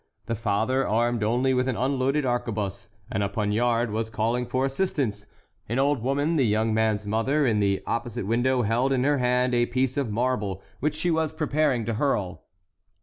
The father, armed only with an unloaded arquebuse and a poniard, was calling for assistance. An old woman—the young man's mother—in the opposite window held in her hand a piece of marble which she was preparing to hurl.